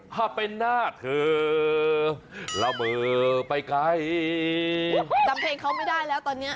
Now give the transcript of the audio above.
ถ้าเป็นหน้าเธอละเมอไปไกลจำเพลงเขาไม่ได้แล้วตอนนี้